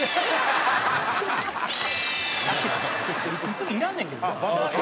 「息継ぎいらんねんけどな」